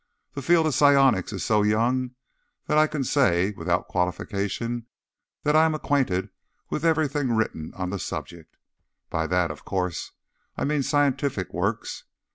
"The field of psionics is so young that I can say, without qualification, that I am acquainted with everything written on the subject. By that, of course, I mean scientific works.